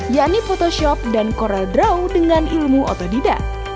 yakni photoshop dan coral draw dengan ilmu otodidak